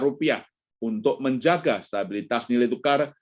rupiah untuk menjaga stabilitas nilai tukar